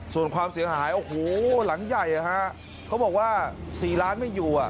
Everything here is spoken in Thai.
ส่วนความเสียหายโอ้โหหลังใหญ่อะฮะเค้าบอกว่าสี่ล้านไม่อยู่อ่ะ